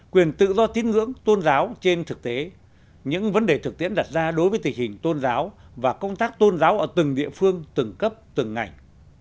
quyền tự do tín ngưỡng tôn giáo trên thực tế những vấn đề thực tiễn đặt ra đối với tình hình tôn giáo và công tác tôn giáo ở từng địa phương từng cấp từng ngành